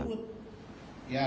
saiman timika papua